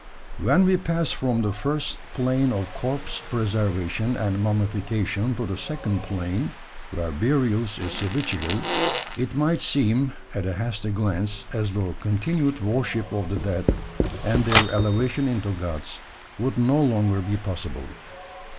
When we pass from the first plane of corpse preservation and mummification to the second plane, where burial is habitual, it might seem, at a hasty glance, as though continued worship of the dead, and their elevation into gods, would no longer be possible.